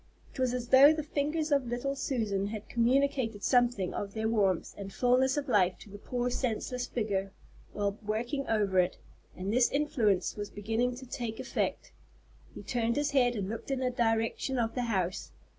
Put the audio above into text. It was as though the fingers of little Susan had communicated something of their warmth and fulness of life to the poor senseless figure while working over it, and this influence was beginning to take effect. He turned his head and looked in the direction of the house.